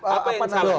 apa yang salah dari